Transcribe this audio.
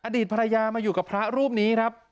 อดีตภรรยามาอยู่กับพระรูปนี้ครับ